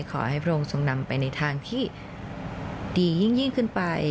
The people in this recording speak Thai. พระองค์ทรงนำไปในทางที่ดียิ่งขึ้นไป